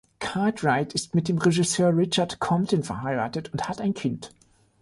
Cartwright ist mit dem Regisseur Richard Compton verheiratet und hat ein Kind.